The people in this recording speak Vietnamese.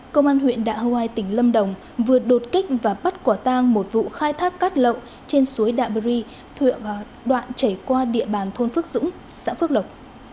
công an huyện đạ hoai tỉnh lâm đồng vừa đột kích và bắt quả tang một vụ khai thác cát lậu trên suối đạ bờ ri thuộc đoạn chảy qua địa bàn thôn phước dũng xã phước lộc